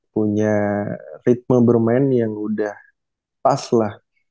punya ritme bermain yang udah pas lah